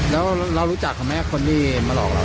แล้วเรารู้จักเขาไหมคนที่มาหลอกเรา